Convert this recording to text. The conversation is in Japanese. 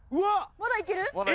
まだいける？え！？